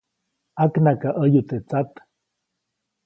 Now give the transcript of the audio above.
ʼAknakaʼäyu teʼ tsat.